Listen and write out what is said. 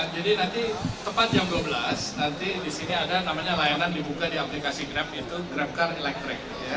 jadi nanti tepat jam dua belas nanti disini ada namanya layanan dibuka di aplikasi grab itu grab car electric